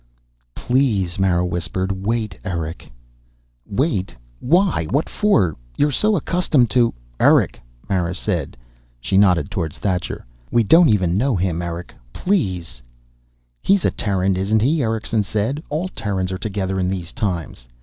"Please," Mara whispered. "Wait, Erick." "Wait? Why? What for? You're so accustomed to " "Erick," Mara said. She nodded toward Thacher. "We don't know him, Erick. Please!" "He's a Terran, isn't he?" Erickson said. "All Terrans are together in these times."